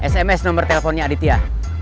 sms nomer teleponnya aditya